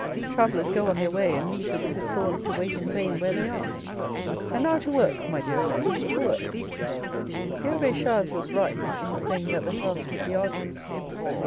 Travellers go on their way, and leave the wicked thorns to wait in vain where they are. And now to work my dear friend, to work" The abbe Chas was right in saying that the task would be arduous.